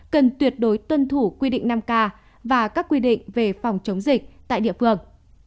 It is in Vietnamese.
cần tuyệt đối tuân thủ quy định năm k và các quy định về phòng chống dịch tại địa phương